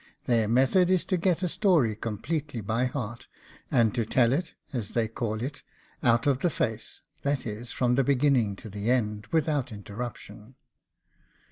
Their method is to get a story completely by heart, and to tell it, as they call it, OUT OF THE FACE, that is, from the beginning to the end, without interruption.